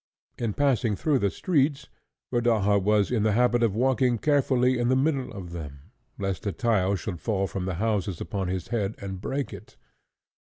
In passing through the streets, Rodaja was in the habit of walking carefully in the middle of them, lest a tile should fall from the houses upon his head and break it.